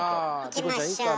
いきましょう。